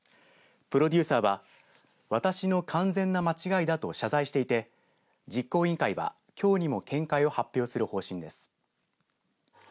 プロデューサーは私の完全な間違いだと謝罪していて実行委員会は、きょうにも見解を発表する方針です。